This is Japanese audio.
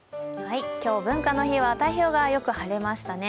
今日文化の日は、太平洋側、よく晴れましたね。